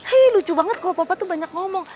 hei lucu banget kalau papa tuh banyak ngomong